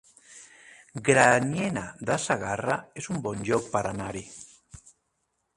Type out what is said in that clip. Granyena de Segarra es un bon lloc per anar-hi